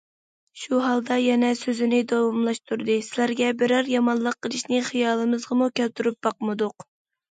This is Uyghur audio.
شۇ ھالدا يەنە سۆزىنى داۋاملاشتۇردى،- سىلەرگە بىرەر يامانلىق قىلىشنى خىيالىمىزغىمۇ كەلتۈرۈپ باقمىدۇق.